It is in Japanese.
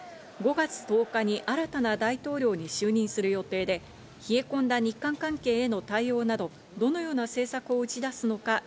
５月１０日に新たな大統領に就任する予定で、冷え込んだ日韓関係への対応など、どのような政策を打ち出すのか